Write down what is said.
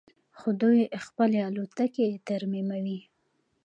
خو دوی خپلې الوتکې ترمیموي.